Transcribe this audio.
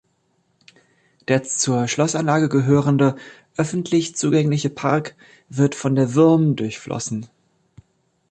Der zur Schlossanlage gehörende, öffentlich zugängliche Park wird von der Würm durchflossen.